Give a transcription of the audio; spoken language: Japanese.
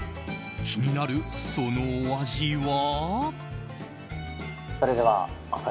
気になるそのお味は。